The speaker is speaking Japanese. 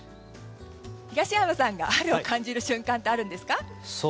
東山さんが春を感じる瞬間はあるんですか？